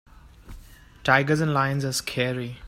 Tigers and lions are scary.